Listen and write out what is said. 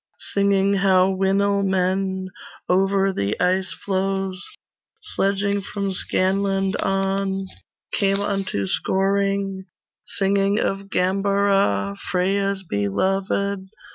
Singing how Winil men Over the icefloes Sledging from Scanland on Came unto Scoring; Singing of Gambara Freya's beloved.